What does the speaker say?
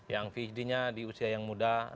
yang vhd nya di usia yang muda